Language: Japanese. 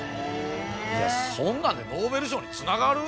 いやそんなんでノーベル賞につながる？